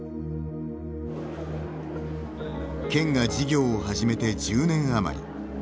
県が事業をはじめて１０年あまり。